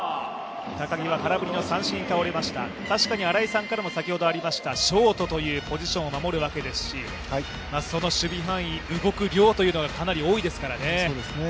確かに新井さんからも先ほどありました、ショートというポジションを守るわけですし、その守備範囲、動く量というのはかなり多いですからね。